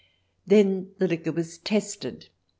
Then the liquor was tested.